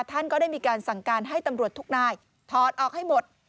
ท่านก็ได้มีการสั่งการให้ตำรวจทุกนายถอดออกให้หมด